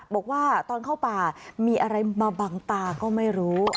บอกว่าตอนเข้าป่ามีอะไรมาบังตาก็ไม่รู้